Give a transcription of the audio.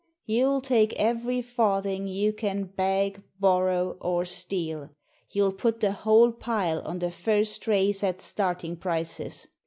You'll take every farthing you can beg, borrow, or steal You'll put the whole pile on the first race at starting prices.